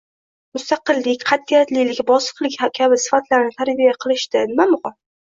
Mustaqillik, qatʼiyatlilik, bosiqlik kabi sifatlarni tarbiya qilishda nima muhim?